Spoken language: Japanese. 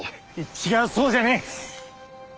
違うそうじゃねえ。